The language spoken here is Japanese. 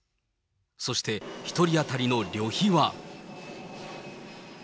そして１人当たりの旅費は。